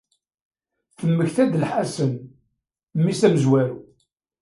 Temmekta-d Lḥasen, mmi-s amezwaru.